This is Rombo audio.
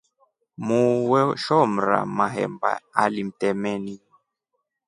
Muu weshomra mahemba alimtemeni.